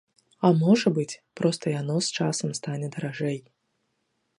А можа быць, проста яно з часам стане даражэй.